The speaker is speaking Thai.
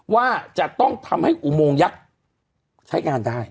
ว่าจะต้องทำให้อุโมงยักษ์ใช้งานได้